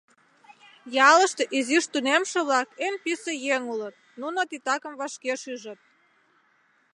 Ялыште изиш тунемше-влак эн писе еҥ улыт, нуно титакым вашке шижыт.